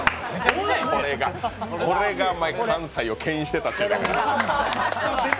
これが関西をけん引してたっちゅうんだから。